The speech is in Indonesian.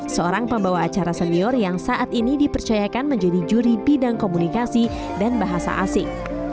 seorang pembawa acara senior yang saat ini dipercayakan menjadi juri bidang komunikasi dan bahasa asing